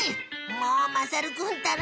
もうまさるくんったら。